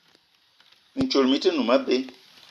Mintchoul mi-te noum abé.